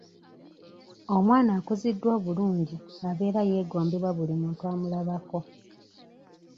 Omwana akuziddwa obulungi abeera yeegombebwa buli muntu amulabako.